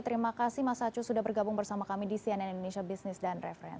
terima kasih mas hacu sudah bergabung bersama kami di cnn indonesia business reference